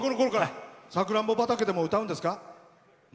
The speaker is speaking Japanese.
さくらんぼ畑でも歌うんですか？